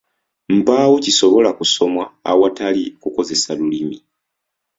Mpaawo kisobola kusomwa awatali kukozesa lulimi.